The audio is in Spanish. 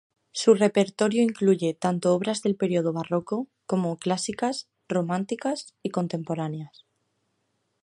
Su repertorio incluye tanto obras del periodo barroco como clásicas, románticas y contemporáneas.